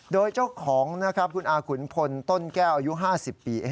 โดยเจ้าของนะครับคุณอาขุนพลต้นแก้วอายุ๕๐ปี